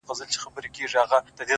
د كار نه دى نور ټوله شاعري ورځيني پاته،